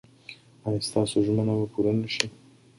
ایا ستاسو ژمنه به پوره نه شي؟